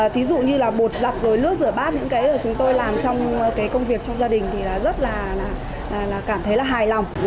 ví dụ như là bột giặt rồi lốt rửa bát những cái mà chúng tôi làm trong cái công việc trong gia đình thì rất là cảm thấy là hài lòng